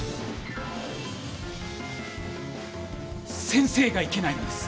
先生がいけないんです。